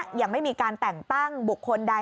ยังไม่มีการแต่งตั้งบุคคลใด